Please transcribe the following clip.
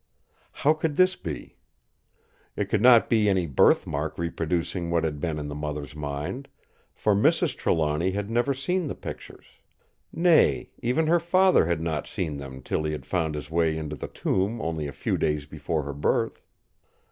How could this be? It could not be any birth mark reproducing what had been in the mother's mind; for Mrs. Trelawny had never seen the pictures. Nay, even her father had not seen them till he had found his way into the tomb only a few days before her birth.